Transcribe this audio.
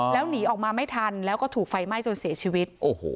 แล้วหนีออกมาไม่ทันแล้วก็ถูกไฟไหม้จนเสียชีวิต